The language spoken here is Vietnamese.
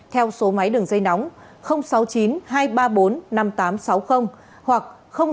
theo số máy đường dây nóng sáu mươi chín hai trăm ba mươi bốn năm nghìn tám trăm sáu mươi hoặc sáu mươi chín hai trăm ba mươi bốn năm nghìn tám trăm sáu mươi